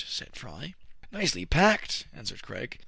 " said Fry. Nicely packed," answered Craig.